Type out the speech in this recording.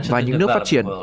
và những nước phát triển